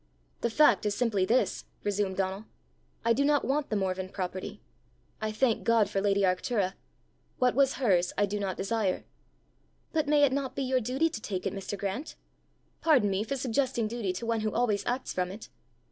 "The fact is simply this," resumed Donal: "I do not want the Morven property. I thank God for lady Arctura: what was hers I do not desire." "But may it not be your duty to take it, Mr. Grant? Pardon me for suggesting duty to one who always acts from it."